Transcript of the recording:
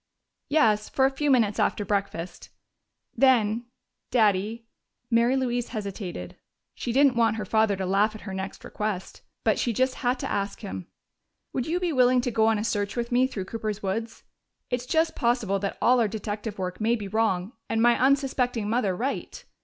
"Yes, for a few minutes after breakfast. Then Daddy " Mary Louise hesitated: she didn't want her father to laugh at her next request, but she just had to ask him "would you be willing to go on a search with me through Cooper's woods? It's just possible that all our detective work may be wrong and my unsuspecting mother right.